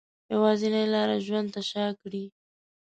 یوازینۍ لاره ژوند ته شا کړي